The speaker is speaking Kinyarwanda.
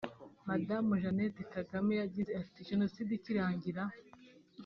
Madamu Jeannette Kagame yagize ati “Jenoside ikirangira